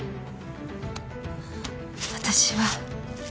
私は